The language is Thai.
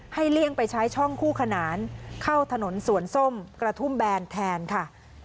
เลี่ยงไปใช้ช่องคู่ขนานเข้าถนนสวนส้มกระทุ่มแบนแทนค่ะ